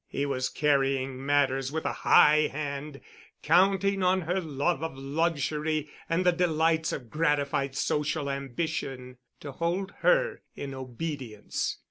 He was carrying matters with a high hand, counting on her love of luxury and the delights of gratified social ambition to hold her in obedience.